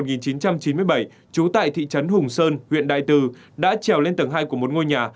trú tại thị trấn hùng sơn huyện đại từ đã trèo lên tầng hai của một ngôi nhà